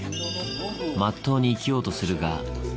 まっとうに生きようとするが。